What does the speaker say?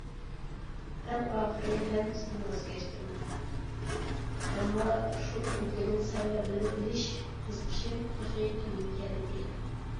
ئەڭ ئاخىرى ھەممىسىدىن ۋاز كەچتىم، ئەمما شۇ كۈلكىنىڭ سەۋەبىنى بىلىش قىزىقىشىم تېخى تۈگىمىگەنىدى.